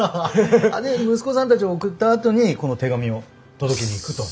で息子さんたちを送ったあとにこの手紙を届けに行くと。